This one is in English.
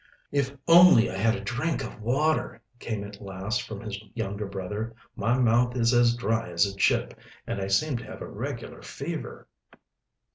"If only I had a drink of water," came at last from his younger brother. "My mouth is as dry as a chip, and I seem to have a regular fever."